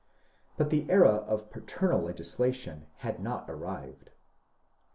But the era of paternal legislation had not arrived.